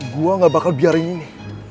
gue gak bakal biarin ini